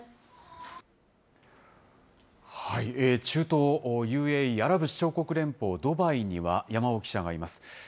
中東ＵＡＥ・アラブ首長国連邦、ドバイには、山尾記者がいます。